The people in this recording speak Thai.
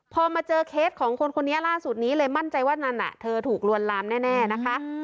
พอมาเจอเคสของคนคนนี้ล่าสุดนี้เลยมั่นใจว่านั่นน่ะเธอถูกลวนลามแน่นะคะ